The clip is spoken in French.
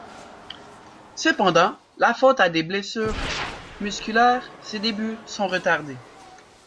Cependant, la faute à des blessures musculaires, ses débuts sont retardés.